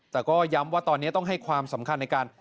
แต่ก็ย้ำว่าตอนนี้ต้องให้ความสำคัญในการ